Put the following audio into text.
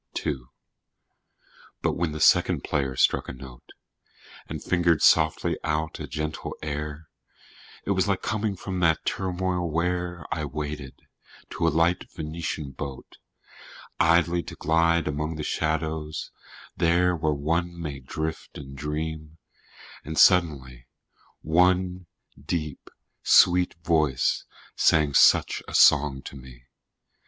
II. But when the second player struck a note And fingered softly out a gentle air It was like coming from that turmoil where I waited, to a light Venetian boat, Idly to glide among the shadows, there Where one may drift and dream; and suddenly One deep sweet voice sang such a song to me.